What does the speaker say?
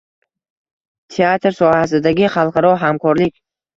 Teatr sohasidagi xalqaro hamkorlik